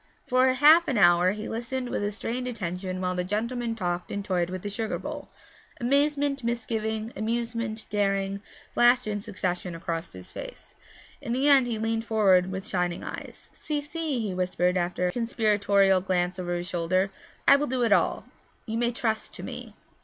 For half an hour he listened with strained attention while the gentleman talked and toyed with the sugar bowl. Amazement, misgiving, amusement, daring, flashed in succession across his face; in the end he leaned forward with shining eyes. 'Si, si,' he whispered after a conspiratorial glance over his shoulder, 'I will do it all; you may trust to me.'